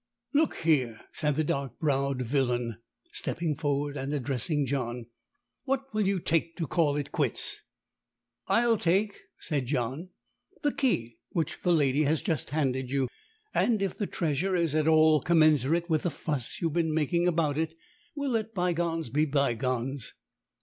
"Look here," said the dark browed villain, stepping forward and addressing John; "what will you take to call it quits?" "I'll take," said John, "the key which the lady has just handed you. And if the treasure is at all commensurate with the fuss you have been making about it, we'll let bygones be bygones."